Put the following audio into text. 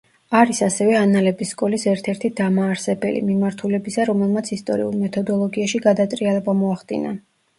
არის ასევე ანალების სკოლის ერთ-ერთი დამაარსებელი, მიმართულებისა, რომელმაც ისტორიულ მეთოდოლოგიაში გადატრიალება მოახდინა.